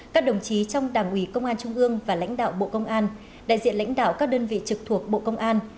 các đồng chí trong đảng ủy công an trung ương và lãnh đạo bộ công an đại diện lãnh đạo các đơn vị trực thuộc bộ công an